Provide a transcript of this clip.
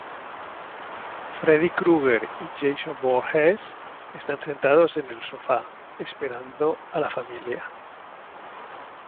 Freddy Krueger y Jason Voorhees están sentados en el sofá, esperando a la familia.